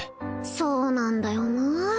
そうなんだよな